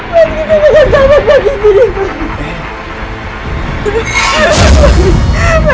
mas kita gak akan selamat mas disini mas